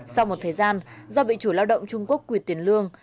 sau một thời gian do bị chủ lao động trung quốc quyệt tiền lương